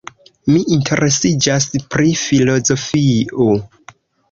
Mi interesiĝas pri filozofio.